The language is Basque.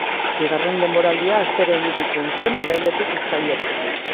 Bigarren denboraldia astero emititzen zen, irailetik uztailera.